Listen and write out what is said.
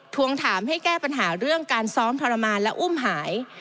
ทวงถามให้แก้ปัญหาเรื่องการซ้อมทรมานและอุ้มหาย